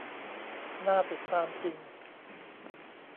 น่าติดตามจริง